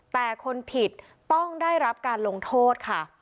แต่คนผิดต้องได้รับการลงโทษค่ะ